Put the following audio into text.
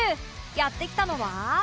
やって来たのは